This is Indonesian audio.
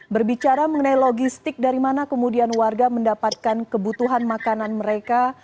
berbicara mengenai logistik dari mana kemudian warga mendapatkan kebutuhan makanan mereka